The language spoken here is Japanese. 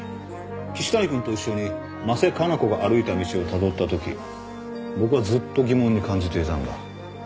岸谷君と一緒に真瀬加奈子が歩いた道をたどったとき僕はずっと疑問に感じていたんだ。